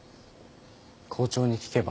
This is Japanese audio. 校長に聞けば？